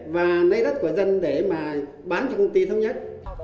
và lấy đất của dân để mà bán cho công ty thống nhất